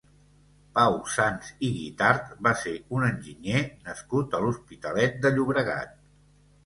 Pau Sans i Guitart va ser un enginyer nascut a l'Hospitalet de Llobregat.